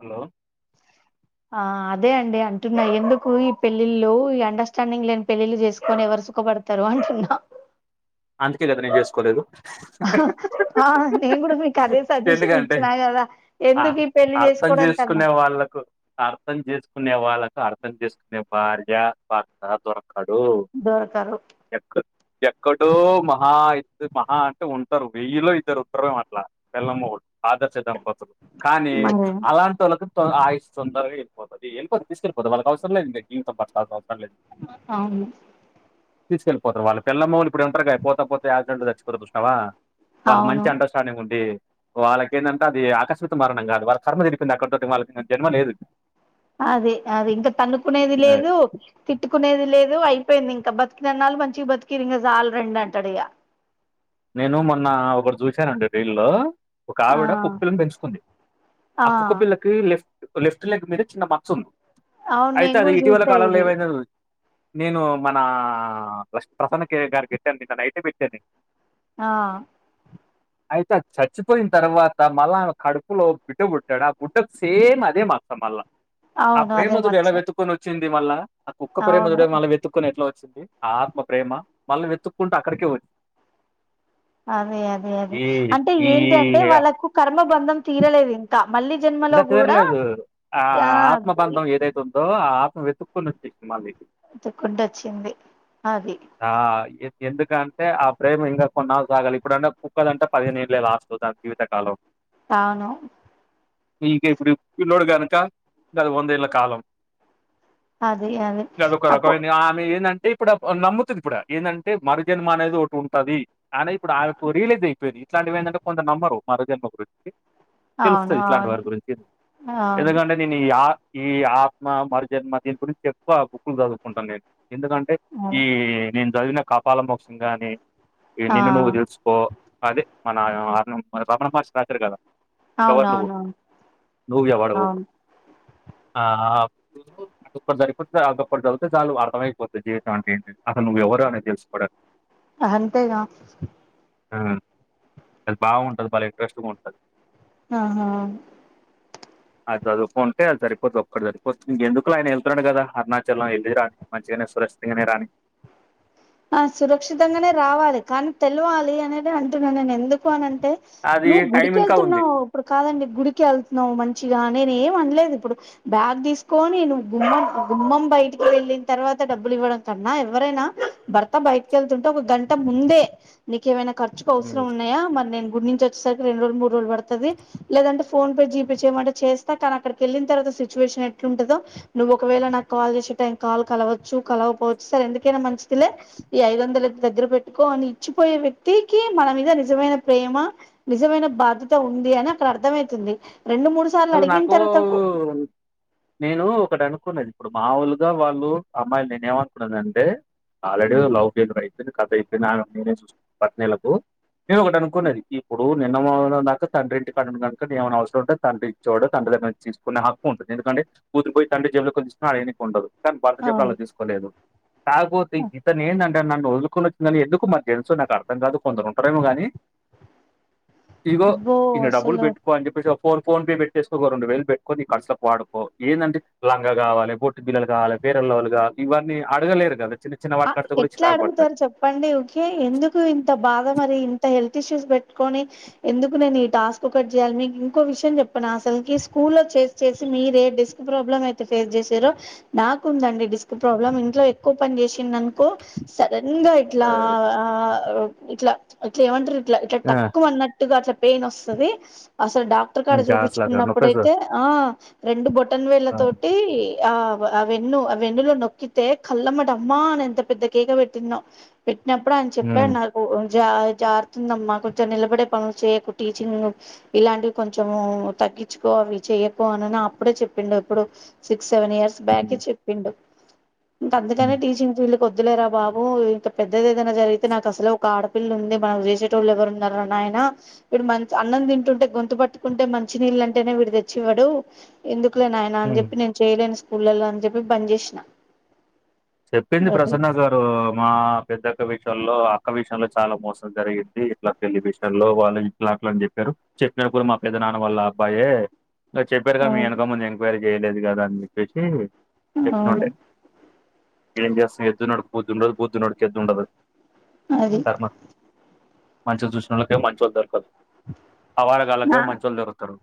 Hello ఆ అదే అండి అంటున్నా ఎందుకు ఈ పెళ్ళిళ్ళు ఈ అండర్స్టాండింగ్ లేని పెళ్ళిళ్లు చేసుకొని ఎవరు సుకపడ తర్వాత ఉన్నా అందుకే కదా నేను జేసుకోలేదు ఆ నేను కూడా మీకు అదే సజెషన్ ఎందుకంటే ఇచ్చినా కదా ఆ ఎందుకు ఈ పెళ్లి అర్థం చేసుకోవడం కన్నా చేసుకునే వాళ్ళకు అర్థం చేసుకునే వాళ్ళకు అర్థం చేసుకునే భార్య భర్త దొర కడు దొరకరు ఎక్క ఎక్క డో మహా ఇ మహా అంటే ఉంటరు వెయ్యిలో ఇద్దరు ఉంట్రరేమో అట్లా పెళ్ళమ్ మొగుడు ఆదర్శ దంపతులు కానీ మరి అలాంటి వోళ్ళకి ఆయుషు తొదరగ వెళ్ళిపోతది ఎళ్ళపోతే తీసుకెళ్ళిపోద్ది వాళ్ళకి అవసరం లేదులే ఈయనతో బతకల్సిన అవసరం లేదు అవును తీసుకెళ్ళిపోతరు వాళ్ళ పెళ్ళం మొగుడు ఇప్పుడు ఉంటరుగ పోతపోతే యాక్సిడెంట్లో చచ్చిపోతారు చూసినావ వాళ్ళ అవును మంచి అండర్స్టాండింగ్ ఉంది వాళ్ళకేంటంటే అది ఆకస్మిక మరణం కాదు వాళ్ కర్మ తిరిపోయింది అక్కడితో వాళ్ళకి ఇంక జన్మ లేదు అదే అది ఇంకా తన్నుకునేది ఆ, లేదు తిట్టుకునేది లేదు అయిపోయింది ఇంకా బతికినన్నాలు మంచిగ బతికిరు ఇంక చాలు రెండి అంటాడు ఇగ నేను మొన్న ఒకటి చూశానండి రీల్లో ఒక ఆ ఆవిడ కుక్కపిల్లను పెంచుకుంది ఆ కుక్కపిల్ల కె లెఫ్ట్ లెఫ్ట్ లెగ్ మీద చిన్న మచ్చ ఉంది అవును అయితే నేను అది కూడా ఇటీవల చూసా కాలంలో ఇది ఏమైందో చూసి నేను మనా ప్రసన్నకె గారికెట్టాను నిన్న నైట్ పెట్టాను ఆ అయితే ఆ చచ్చిపోయిన తర్వాత మళ్ళా ఆమె కడుపులో బిడ్డ పుట్టాడు ఆ బుడ్డ సేమ్ అదే మాసం మళ్ళా ఆ అవును అదే ప్రేమదుడు మచ్చ ఎలా వెతుక్కొని వచ్చింది మళ్ళా ఆ కుక్క అవును ప్రేమదుడు మళ్ళ వె వెతుక్కుని ఎట్లా వచ్చింది ఆత్మ ప్రేమ మళ్ళ వెతుకుంటా అక్కడికే అదే అదే అదే ఈ అంటే ఈ ఏంటి అంటే వాళ్ళకు కర్మబంధం తీరలేదు ఇంకా మళ్ళీ జన్మలో ఇంకా కూడా తీరలేదు ఆ ఆత్మబంధం ఏదైతే ఉంద్ దో ఆత్మ వెతుక్కొని వచ్చేసింది మళ్ళి వేతుకుంటు వచ్చింది అది ఆ ఎందు ఎందుకంటే ఆ ప్రేమ ఇంకా కొన్నాళ్ళు సాగాలి ఇప్పుడన్న కుక్కదంటే పదిహేను ఏళ్ళే లాస్ట్ దా జీవిత కాలం అవును మీకే ఇప్పుడు పిల్లోడు గనక గది వందేళ్ళ కాలం అది అది అదొక రకం అప్పు ఎంది ఆమె ఏందంటే ఇప్పుడ ఒ నమ్ము తది ఇప్పుడ ఏందంటే మరు జన్మ అనేది ఒకటి ఉంటది కానీ ఇప్పుడు ఆమెకు రిలీజ్ అయిపోయినీ ఇట్లాంటివి ఏందంటే కొంత నమ్మరు మరు జన్మ గురించి అవును తెలుస్తది ఇట్లాంటి అవును వారి గురించి అవును ఎందుకంటే నేను ఈ ఆ ఈ ఆత్మ మరు జన్మ దీని గురించి ఎక్కువ బుక్లు చదువుకుంటాను నేను ఎందుకంటే అవును ఈ నేను చదివిన కాపాల మోక్షం గాని ఆ నిన్ను నువ్వు దెల్సు [inaudible] ఎవరు నువ్వు అవునవునవును నువ్ ఎవరు అవును ఆ ఆ అదోక్కటి సరిపోతది అదోక్కటి చదివితే చాలు అర్థమయిపోతది జీవితం అంటే ఏంటి అని అసలు నువ్ ఎవరు అని తెలుసుకోడానికి అంతేగా అది బావుంటది బలే ఇంట్రెస్ట్గా ఉంటది ఆహా అది చదువుకుంటే అది సరిపోతది ఒక్కటి సరిపోతది ఇంకెందుకు ఆయన వెళ్తున్నాడు కదా అరుణాచలం ఏళ్ళిరాని మంచిగానే సురక్షితంగానే రాని ఆ సురక్షితంగానే రావాలి కానీ తేల్వాలి అనేది అంటున్నాను నేను ఎందుకంటే అది నువ్వు టైం ఇంకా ఉంది. గుడికెళ్తున్నావ్ ఇప్పుడు కాదండి గుడికెళ్తున్నావ్ మంచిగా నేను ఏం అనలేదు ఇప్పుడు బ్యాగ్ తీసుకొని నువ్వు గుమ్మం గుమ్మం బయటికి వెళ్ళిన తర్వాత డబ్బులు ఇవ్వడం కన్నా ఎవరైనా భర్త బయటకి ఏళ్తుంటే ఒక గంట ముందే నీకేమైనా ఖర్చుకు హ్మ్. అవసరం ఉన్నాయా మరి నేను గుడి నుంచి వచ్ వచ్చేసరికి రెండ్రోలు, ముడ్రోలు పడుతది లేదంటే ఫోన్ పే, జీ పే చేయమంటే చేస్తా కానీ అక్కడికి వెళ్ళిన తర్వాత సిచువేషన్ ఏ ఎట్లుంటందో నువ్వు ఒకవేళ నాకు కాల్ చేసే టైం కాల్ కలవచ్చు కలగకపోవచ్చు సరే ఎందుకైనా మంచి దిలే ఈ ఐదొందలు దగ్గర పెట్టుకో అని ఇచ్చిపోయే వ్యక్తికి మన మీద నిజమైన ప్రేమ నిజమైన బాధ్యత ఉంది అని అక్కడ అర్థమయితుంది. రెండు మూడు సార్లు అసలు అడిగిన నాకు తర్వాత కు నేను ఒకటి అనుకున్నది ఇప్పుడు మావులుగా వాళ్ళు అమ్మాయిలు నేను ఏమనుకున్నానంటే ఆల్రెడీ లవ్ ఫెయిల్యూర్ అయిపోయింది కథ అయిపోయింది నేనే చూసూకుంట్నలకు నేను ఒకటి అనుకున్నది ఇప్పుడు నిన్న మొన్నటిదాకా తండ్రి ఇంటికడా ఉన్నది కనుక ఏమైన అవసరం ఉంటే తండ్రి చూడ తండ్రి దగ్గర తీసుకునే హక్కు ఉంటది ఎందుకే కూతురిపోయి తండ్రి జేబులో కొనిందిస్తున అడగనికి ఉండదు భర్త జేబులో అలా అవును తీసుకోలేదు కాకపోతే ఇతను ఏందం నన్ను వదులుకోలేక వచ్చిందని ఎందుకు మరి తెలుసు నాకు అర్థం కాదు కొందరుంటారేమో కాని ఇదిగో అబ్బో ఇన్ని డబ్బుల్ అసలు పెట్టుకో అని చెప్పేసి ఫోన్ ఫోన్ పే పెట్ చేసుకో ఒక రెండు వేలు పెట్టుకోని నీ ఖర్చులకి వాడుకో ఎందంటే లంగా కావాలే బొట్ బిల్లలు కావాలే ఫైరండ్లవ్లీ కావాలే ఇవన్నీ అడగలేరు కదా చిన్న చిన్న ఆ వాటికి అడిగితే కూడా ఎట్లా చిరాకు పడుతది అడుగుతారు చెప్పండి ఊకె ఎందుకు ఇంత బాధ మరి ఇంత హెల్త్ ఇష్యూస్ పెట్టుకొని ఎందుకు నేను ఈ టాస్క్ ఒకటి చేయాలి మీకు ఇంకో విషయం చెప్పనా అసలుకి స్కూల్ లో చే చేసి మీరే డిస్క్ ప్రాబ్లం అయితే చేసిరో నాకుందండి డిస్క్ ప్రాబ్లం ఇంట్లో ఎక్కువ పని చేసి కిందనుకో సడన్ గా ఇట్లా ఇట్లా ఇట్లా ఏమంటారు ఇట్లా ఆ తక్కుమనట్లుగా అట్లా పెయిన్ వస్తది అసలు డాక్ డాక్టర్ కడా ఇంకా అసలు అక్కడ నొప్పేస్తది చూపించుకున్నప్పుడైతే ఆ రెండు బొటన్ వేళ్ళతోటి ఆ ఆ వెన్ను ఆ వెన్నులో నొక్కితే కళ్లమ్మట అమ్మా అని ఎంత పెద్ద కేక పెట్టినో పెట్టినప్పుడే ఆయన చెప్పడు ఉమ్ నాక్ జ జారుతుందమ్మా కొంచెం నిలబడే పనులు చెయ్యకు టీచింగ్ నువ్ ఇలాంటివి కొంచము తగ్గించుకో అవి చెయ్యకు అనిని అప్పుడే చెప్పిండు ఇప్పుడు సిక్స్ సెవెన్ ఇయర్స్ బ్యాక్ ఉమ్ ఏ చెప్పిండు కానీ టీచింగ్ ఫీల్డ్ కొద్దులేరా బాబు ఇంకా పెద్దది ఏదైనా జరిగితే నాకు అసలే ఒక ఆడపిల్ల ఉంది మనం చేసే టోలెవ్వరున్నారు రా నాయన వీడు మంచి అన్నం తింటుంటే గొంతు పట్టుకుంటే మంచినీళ్ళంటేనే వీడు తెచ్చివ్వడు ఎందుకులే నాయన అని ఉమ్ చెప్పి నేను చేయలేను స్కూళ్లలో అని చెప్పి బంద్ చేసిన చెప్పింది అది ప్రసన్న సార్ సో మా పెద్దక్క విషయంలో అక్క విషయంలో చాలా మోసం జరిగింది ఇట్లా పెళ్లి విషయంలో వాళ్ళు ఇట్లా అట్లా అని చెప్పారు చెప్పినపుడు మా పెద్ద నాన్న వాళ్ళ అబ్బాయే చెప్పారు కదా మీ అవును వెనక ముందు ఎంక్వైరీ చేయలేదు కదా అని చెప్పేసి అవును చెప్పతునంటే ఏం చేస్తాం ఎద్దున్నోనికి బుద్ధి ఉండదు బుద్ధ ఉనోడికి ఎద్దు ఉండదు అది కరమా మంచి గా చూసినోళ్లకు మంచోళ్ళు దొరకరు ఆ ఆవరగాళ్ళకేమో మంచోళ్ళు దొరుకుతారు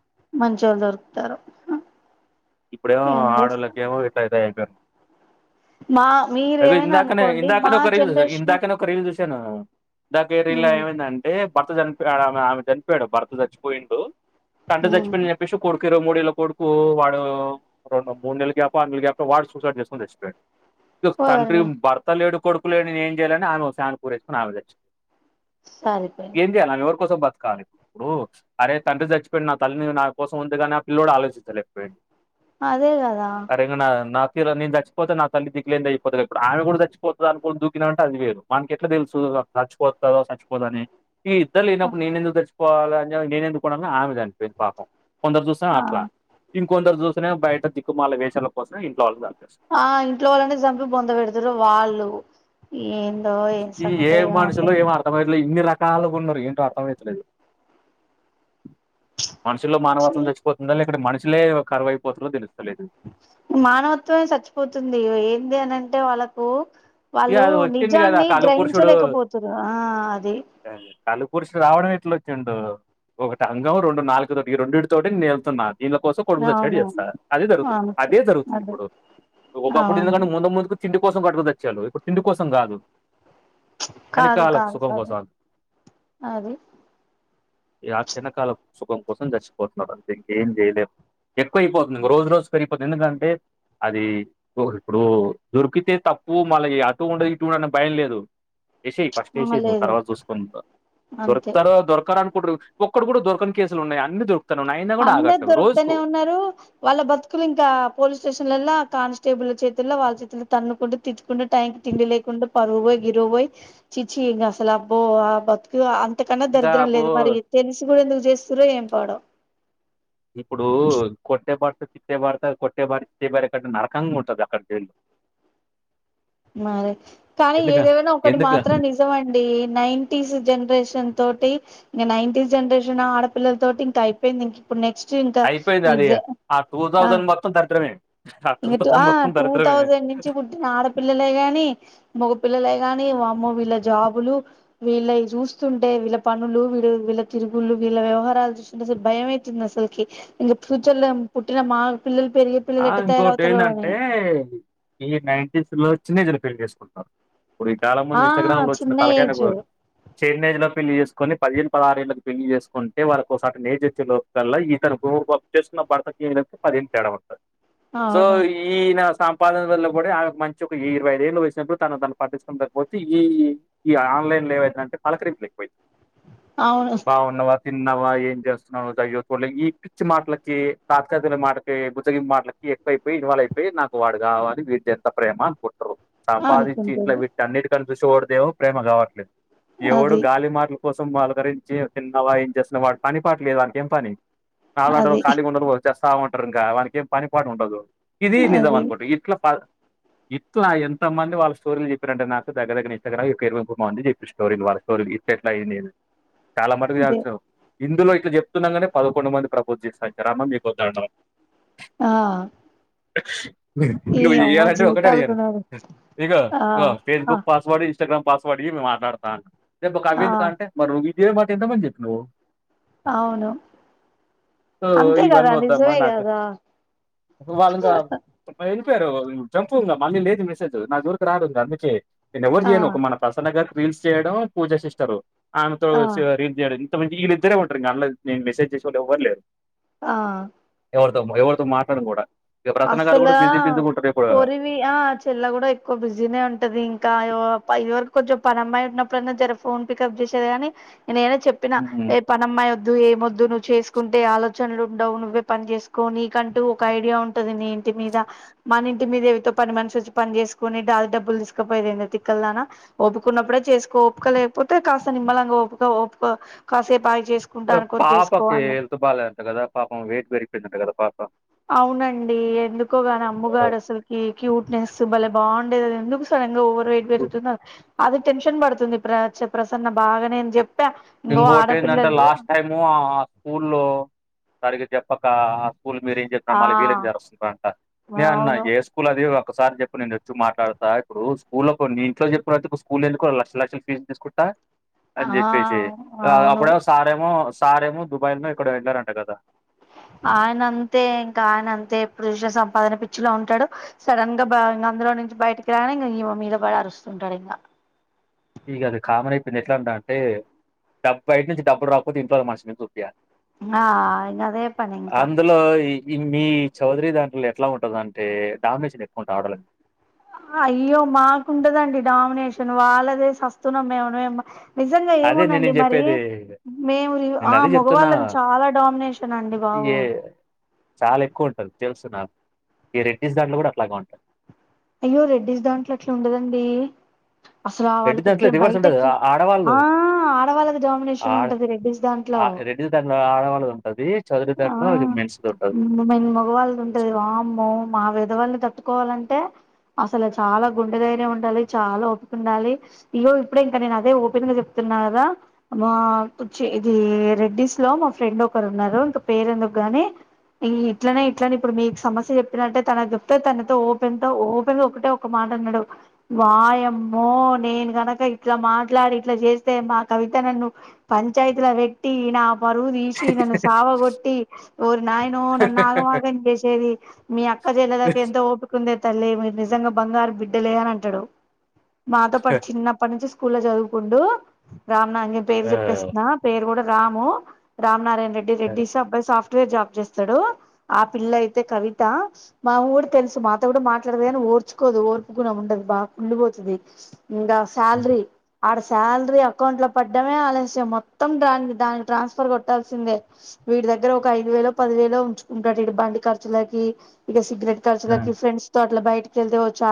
మంచోళ్ళు దొరుకుతారు ఇప్పుడేమో ఏం చేస్ ఆడలకేమో ఇట్లా తయారు అయిపోయారు మా మీ ఇందాకనే ఇందాకనే రీల్ ఇందాకనే ఒక రీల్ చూసే దాని పేరు ఇల్లా మ్ అంటే భర్త చనిపోయాడు ఆమె చనిపోయాడు భర్త చచ్చిపోయిండు కంట మ్ చచ్చిపోయి యేసు కొడుకు ఇరువై మూడే ఏళ్ల కొడుకు వాడు రెండు మూడు నెలల గ్యాపు ఆరు నెలల గ్యాప్ వాడు సూసైడ్ చేసుకొని చచ్చిపోయి తండ్రికి ఓర్ని భర్త లేడు కొడుకు లేడు అని ఏం చేయాలని ఆమె ఫ్యాన్కి ఊరి పూరేసుకుని ఆమె చచ్చిపోయింది సరిపోయింది అంతే కదా ఆమె ఎవరి కోసం బతకాలి ఇప్పుడు అరే తండ్రి చచ్చిపోయిడు నా తల్లి నా కోసం ఉంది కదా అని ఆ పిల్లడు ఆలోచించలేకపోయింది అదే కదా సరేంగా నాకు నేను చచ్చిపోతే నాకు తల్లి దికులేని అయిపోతుంది ఇప్పుడు ఆమె కూడా చచ్చిపోతుంది అనుకోని కూడా దూకినంటే అది వానికి ఎట్లా తెలుసు చచ్చిపోతాదో చచ్చిపోదో అని పోదని ఈ ఇద్దరు లేనప్పుడు నేను ఎందుకు సచ్చిపోవాలని అని నేను ఎందుకు ఉండాలని ఆమె చచ్చిపోయింది పాపం కొందరు సూక్తనేమో ఆ అట్ల ఇంకొందరు చూసిన బయట దిక్కుమాల వేషాల కోసం ఇంట్లోళ్ళని నరికేస్తారు ఆ ఇంట్లో వాళ్ళనే చంపి బొంద పెడతారు వాళ్ళు ఏందో ఏం సంగతు ఏమో అసలు అర్థంట్లే ఇన్ని రకాలుగా ఉన్నారు ఏంటో అర్థం అయితలేదు మనుషుల్లో ఛీ మానవత్వం తెచ్చిపోతుంద ఇక్కడ మనుషులే కవైపోతుందో తెలుస్తలేదు మానవత్వమే చచ్చిపోతుంది ఏం చేయాలంటే వాళ్ళకు ఇగ వాళ్ళు అది వచ్చింది కదా నిజాన్ని కలు గ్రహించలేకపోతురు ఆ అది కళ్పురుసు రావడం ఎట్ల వచ్చిండు ఒకటి అంగం రెండు నాలుగు తోటి రెండిటి తోటి నేళ్తున్నారు దీని కోసం కొడుకు సచ్చినట్టు అవును చేస్తారు అదే జరుగుతుంది అంతే అదే జరుగుతుంది అదే ఇప్పుడు ఒకప్పుడు అవును ఎందుకంటే ముందు ముందుకు తిండి కోసం కడుకు సచ్చేటో ఇప్పుడు తిడి కోసం కాదు కాదు కలికాలం కాదు సుఖం కాదు కోసం అది ఈ ఆ క్షణకాల సుఖం కోసం చచ్చిపోతున్నారుడు అంతే ఇంకేం చేయలేదు ఎక్కువ అయిపోతుంది రోజు రోజు పెరిగిపోతుంది ఎందుకంటే అది ఇప్పుడు దొరికితే తప్పు టూ మళ్ళ ఆటు ఉండుడు ఇటు ఉండుడు ఆన్న భయం లేదు ఎషేయి ఫస్ట్ ఎషే నువ్వు లేదు తర్వాత చూసుకుందాం అంతే దొరుకుతారో దొరకరో ఒక్కడు కూడా దొరకని కేసులున్నాయి అన్ని ఉన్నాయి అయినా కూడా అందరు ఆగట్లేదు రోజుకు దొరుకుతూనే ఉన్నారు వాళ్ళ బతుకులు ఇంకా పోలీస్ స్టేషన్లలా కానిస్టేబుల్ల చేతుల్లో వాళ్ళ చేతుల్లో తన్నుకుంట తిట్టుకుంటా టైంకి తిండి లేకుండా పరువు పోయి గిరు పోయి చిచ్చి అసలు అబ్బో బతుకు అంతకన్నా ఇంకా దరిద్రం అబ్బో లేదు మరి తెలిసి కూడా ఎందుకు చేస్తునరో ఏం పాడో ఇప్పుడు కొట్టేడత చిట్టే బడత కొట్టే బారి చిచ్చే బార కంటే నరకంగా ఉంటది అక్కడ జైళ్ళు మరి కానీ ఎందుక ఏదేమైనా ఒకటి ఎందుకు మాత్రం నిజమండి నైన్టీస్ జనరేషన్ తోటి ఇంక నైన్టీస్ జనరేన్ ఆడపిల్లలతోటి ఇంకా అయిపోయింది ఇంక ఇప్పుడు నెక్స్ట్ ఇంకా ఇవే ఆ అంతా దరిద్రమే ఆ టూ ఆ థౌజండ్ మొత్తం టూ దరిద్రమే తౌసండ్ నుంచి కు ఆడపిల్లలే గాని మగ పిల్లలే గాని వామ్మో వీళ్ళ జాబులు వీళ్ళ చూస్తుంటే వీళ్ళ పనులు వీ వీళ్ళ తిరుగుల్లు వీళ్ళ వ్యవహారాలు భయమేంది అసలు ఫ్యూచర్ల పుట్టిన మా పిల్లలు పెరిగే పిల్లలు ఆ ఇంకోటి తయారవుతారో అని ఏందంటే ఈ నైన్ంటిస్ లో చిన్న ఏజ్ లో పెళ్ళి చేసుకుంటున్నారు ఇప్పుడు ఈ కాలం ఆ ముందు ఇన్స్టాగ్రామ్ లో వచ్చిన చిన్న తలకాయ నో ఏజ్ నేజ్ లో పెళ్లి చేసుకుని పదిహేను పదహారుళ్ళకి పెళ్లి చేసుకుంటే వాళ్లకు సాటర్న్ ఏజ్ వచ్చేలోపు ల్ల ఇతను చేసుకున్న భర్తకి ఏ పదిహను తేడా ఉంటది సో అవును ఈయన సంపాదన వల్ల కూడా ఆమెకు మంచి ఒక ఇరవై ఐదేళ్ళు వేసినప్పుడు తను తను పట్టించుకున్న లేకపోతే ఈ ఈ ఆన్లైన్ లో ఏమైతుందంటే పలకరింపులు ఎక్కువైపోయింది అవును బావున్నావా తిన్నావా ఏం చేస్తున్నావు చయ చూ ఈ పిచ్చి మాటలకి తాత్కాలిక మాటకి మాటలకి ఎక్కువైపోయి ఇన్వాల్వ్ అయిపోయి నాకు వాడు కావాలని వీడిది ఎంత ప్రేమ అనుకుంట్రారు సంపాదించి ఇట్లా అనుకుంటారు వీటి అన్నిటికని చూసి వాడుదేమో ప్రేమ కావట్లేదు ఎవడు అది గాలి మాటలు కోసం పళకరించి తిన్నవా ఏం చేస్తునవు వాని పని పాటలేదు వానికేం పని నాలాంటోళ్లు అది ఖాళీ ఉండరు వర్క్ చేస్తా ఉంటారు ఇంకా వానికి ఏం పని పాట ఉండదు ఇది నిజాం అది అనుకొండి ఇట్లా ఇట్లా ఎంత మంది వాళ్ స్టోరీలు చెప్పారంటే నాకు దగ్గర దగ్గర ఇంస్టాగ్రామ్ ఒక ఇరవై ముప్పై మంది చెప్పిరు స్టోరీలు వాళ్ళ స్టోరీలు ఇట్ల ఎట్లా ఇది నేను చాలా మట్టుకు ఇదే చేసినం ఇందులో ఇట్లా చెప్తున్నా కాని పదకొండు మంది ప్రపోజ్ చేస్తారమా అమ్మ మీకో దండం ఆ ఈ నువ్వు అమ్మ చెయాలంటే ఒకటే జీవితాలు అడిగారు కొన్నారు ఇగో ఆ ఇ ఆ ఫేస్బుక్ పాస్వర్డ్ ఇస్టాగ్రామ్ పాస్వర్డ్ ఇవ్వు మాట్లాడతా అని రేపు ఆ ఒకవి ఎందుకు అంటే ఇదే మాట ఎంతమందికి చెప్పినవో అవును సో అంతే కదా నిజమే కదా వాళ్ళ ఇంకా వెళ్లిపోయారు జంప్ ఇగ మళ్ళీ లేదు మెసేజ్ నా జోలికి రారు ఇంకా అందుకే నేను ఎవరు ఆ చేయను ఒక మన ప్రసన్న గారికి రీల్స్ చేయడం పూజ చేస్తారు ఆమెతో ఆ రీల్స్ చేయడం వీలు ఇద్దరే ఉంటారు ఇంగ ఆన్ల నేను మెసేజ్ చేసేవాళ్లు ఎవ్వలేరు ఆ ఎవరితో మాట్లాడను కూడా ఇక ప్రసన్న గారు కూడా అసలా బిజీ బిజీగా ఉంటారు ఇప్పుడు కోరివి ఆ చెల్ల కూడా ఎక్కువ బిజీనే ఉంటది ఇంకా ఇదివరకు కొంచెం పన అమ్మాయి ఉన్నప్పుడైనా జర ఫోన్ పికప్ చేసేది గాని నేనే చెప్పిన ఉమ్. అమ్మాయి వద్దు ఏం వద్దు నువ్వు చేసుకుంటే ఆలోచనలు ఉండవు నువ్వే పని చేసుకో నీకంటూ ఒక ఐడియా ఉంట ది నీ ఇంటి మీద మన ఇంటి మీద ఏవతో పని మనిషి వచ్చి పని చేసుకుని అది డబ్బులు తీసుకపోయేది ఏందే తిక్కల దానా ఓపికున్నప్పుడే చేసుకో ఓపిక లేకపోతే కాస్త నిమ్మలంగా ఒప్పుకో ఒప్పుకో కాసేపు ఆగి చేసుకో చేసుకుంటా అనుకోని పాపకి అన్న హెల్త్ బాాలేదుదంట కదా పాపం వెయిట్ పెరిగిపోయిందింట కదా పాప అవునండి ఎందుకోగాని అమ్ముగాడు అసలు ఈ క్యూట్నెస్ భలే బాగుండేది అది ఎందుకు సడన్గా ఓవర్వయిట్ పెరుగుతుందో అది టెన్షన్ పడుతుంది ప్ర ప్రసన్న బాగా నేను చెప్పా ఇంగో ఇంకోటి ఏంటంటే ఆడపిల్లలు లాస్ట్ టైము ఆ స్కూల్లో సరిగా చెప్పక స్కూల్ మీరు ఏం ఆ చెప్పినారు మళ్ళీ వీలుమి జేరస్తురంట నేన్న అవును స్కూల్ అది ఒకసారి చెప్పు నేను వచ్చి మాట్లాడతా ఇప్పుడు స్కూల్లో కొన్ని ఇంట్లో చెప్పినయితే స్కూలో ఎందుకు లక్ష లక్షలు ఫీస్ తీసుకుంట ఆ ఆ అవును అప్పుడేమో సారేమో దుబాయ్లోో ఏక్కడో వెళ్ళారంట కదా ఆయన అంతే ఇంకా ఆయన అంతే ఎప్పుడు చూశిన సంపాదన పిచ్చిలో ఉంటాడు సడన్ గా బా ఇంగ అందులో నుంచి బయటకి రానే ఇంగ ఈ మే మీద పడి అరుస్తుంటాడు ఇంగ ఇగ అది కామన్ అయిపోయింది ఎట్లా అ అంటే డబ్బ బైట్ నుంచి డబ్బు రాకపోతే ఇంట్లోల్ల మనిషినుంచి దొబ్బియ్యాలె ఆ ఇంగ అదే పని ఇంకా అందులో ఈ మీ చౌదరి దాంట్లో ఎట్లా ఉంటంది అంటే డామినేషన్ ఎక్కువ ఉంటది ఆడోళ్ళకు అయ్యో మాకుండదండి డామినేషన్ వాళ్ళదే సస్తున్నాం ఏమనో ఏమో నిజంగా అదే ఏమో నేనేం నండిమరి చెప్పేది మేము నేను ఆ అదే చెప్తున్నా మగవాళ్ళది చాలా డామినేషన్ అండి బాబు ఏ చాలా ఎక్కువ ఉంటది తెలుసు నాకు ఈ రెడ్డిస్ దాంట్లో కూడా అట్లాగే ఉంటది అయ్యో రెడ్డీస్ దాంట్లో అట్లా ఉండదండి అసలు రెడ్డి వాళ్ళకు దాంట్లో క్కే రివర్స్ ఉంటది బయటకి ఆ ఆడవాళ్ళు ఆ ఆడవాళ్ళకు డామినేషన్ ఉంటది రెడ్డీస్ దాంట్లో డ్డి దంట్లో ఆడవాళ్ళది ఉంటది చౌదరి దాంట్లో ఇది మెన్స్ది ఉంటది మ బ్ మగ వాళ్ళది ంటది వామ్మో మా వేధవల్ని తట్టుకోవాలంటే అసలు చాలా గుండె దైర్యం ఉండాలి చాలా ఒపికుండాలి ఇగో ఇప్పుడే ఇంకా నేను అదే ఓపెన్ గా చెప్తున్నా కదా మాచ్చ ఇది రెడ్డిీస్ లో మా ఫ్రెండ్ ఒకరు ఉన్నారు ఇంక పేరు ఎందుకు గాని ఇట్లనే ఇట్లనే ఇప్పుడు మీకు సమస్య చెప్పినట్టే తన చెప్తే తనతో ఓపెన్ తో ఓపెన్ గ ఒకటే ఒక మాట అన్నాడు వాయమ్మో నేను గని ఇట్లా మాట్లాడి ఇట్లా చేస్తే మా కవిత నన్ను పంచాయితిల పెట్టి నా మరువు తీసిి నన్ను సావ గోట్టి ఓరి నాయనో నన్ను ఆగమాగం చేసేది మీ అక్క చెల్లదాకా ఎంతో ఓపిక ఉందే తల్లి మీరు నిజంగా బంగారు బిడ్డలే అని అంటాడు మాతో పాటు చిన్నప్పటి నుంచి స్కూల్లో లో చదువుకుంటూ రామ్ నాంగని పేరు ఆ చెప్పేస్తున్నా పేరు కూడా రాము రామ్ నారాయణ రెడ్డి ఆ రెడ్డి అబ్బాయి సాఫ్ట్వేర్ జాబ్ చేస్తాడు ఆ పిల్ల అయితే కవిత మా ఊరు తెలుసు మాతో కూడా మాట్లాడదు కాని ఓర్చుకోదు ఓర్పుగుణం ఉండదు బాగా కుళ్ళుబోతుది ఇంగ సాలరీ ఆడి శాలరీ అకౌంట్ లో పడ్డమే ఆలస్యం మొత్తం దానికి దానికి ట్రాన్స్ఫర్ కొట్టాల్సిందే వీటి దగ్గర ఒక ఐదు వేలో పది వేలో ఉంచుకుంటాడు ఇడు బండి ఖర్చులకి ఇగ సిగరెట్ ఆ! కర్చులకి ఫ్రెండ్స్ తో అట్లా బయటికేళ్తే ఓ చ